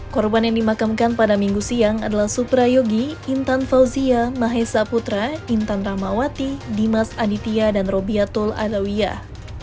korban yang dimakamkan pada minggu siang adalah suprayogi intan fauzia mahesa putra intan ramawati dimas aditya dan robiatul adawiyah